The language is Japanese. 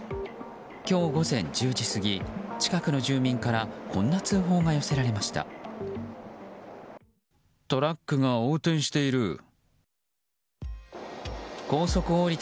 今日午前１０時過ぎ近くの住民からこんな通報が寄せられました。